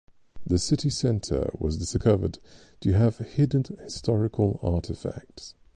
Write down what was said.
The city center was discovered to have hidden historical artifacts.